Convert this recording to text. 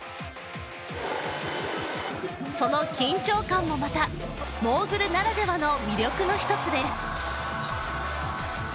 その緊張感もまたモーグルならではの魅力の一つです